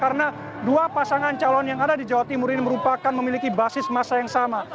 karena dua pasangan calon yang ada di jawa timur ini merupakan memiliki basis masa yang sama